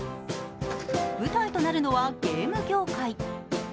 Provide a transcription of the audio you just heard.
舞台となるのはゲーム業界。